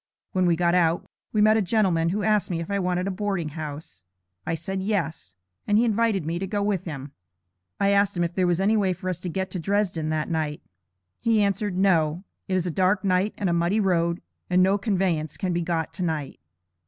When we got out, we met a gentleman who asked me if I wanted a boarding house. I said yes; and he invited me to go with him. I asked him if there was any way for us to get to Dresden that night. He answered, 'No, it is a dark night, and a muddy road, and no conveyance can be got tonight.'